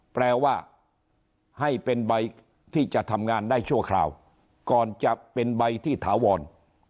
แปลว่าให้เป็นใบที่จะทำงานได้ชั่วคราวก่อนจะเป็นใบที่ถาวร